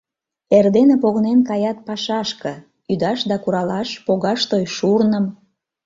Эрдене погынен каят пашашке: ӱдаш да куралаш, погаш той шурным…